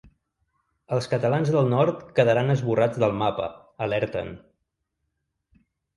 Els Catalans del nord quedaran esborrats del mapa, alerten.